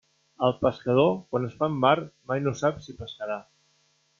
El pescador quan es fa en mar mai no sap si pescarà.